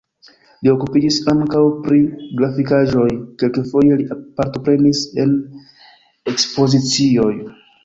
Li okupiĝis ankaŭ pri grafikaĵoj, kelkfoje li partoprenis en ekspozicioj.